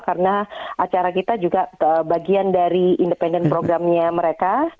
karena acara kita juga bagian dari program mereka